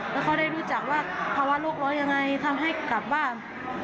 แล้วเขาได้รู้จักว่าภาวะโรคร้อยยังไงทำให้กลับบ้าน